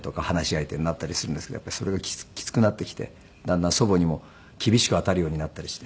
相手になったりするんですけどそれがきつくなってきてだんだん祖母にも厳しく当たるようになったりして。